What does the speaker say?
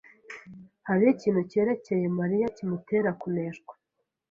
Hariho ikintu cyerekeye Mariya kimutera kuneshwa.